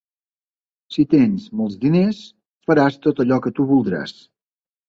Si tens molts diners, faràs tot allò que tu voldràs.